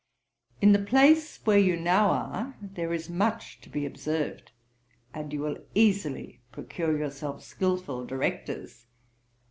'In the place where you now are, there is much to be observed; and you will easily procure yourself skilful directors.